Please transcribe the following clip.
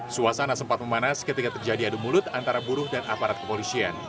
suasana sempat memanas ketika terjadi adu mulut antara buruh dan aparat kepolisian